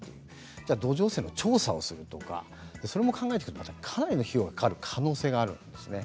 土壌汚染の調査をするとかそれも考えていくとかなりの費用がかかる可能性があるんですね。